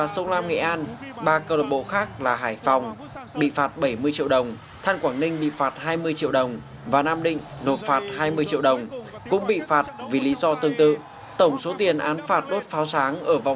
xin chào và hẹn gặp lại trong các video tiếp theo